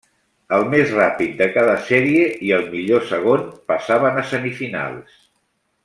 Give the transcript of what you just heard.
El més ràpid de cara sèrie i el millor segon passaven a semifinals.